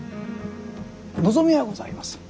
望みはございます。